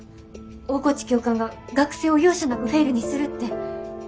大河内教官が学生を容赦なくフェイルにするって。